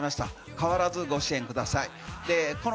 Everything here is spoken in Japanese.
変わらずご支援ください。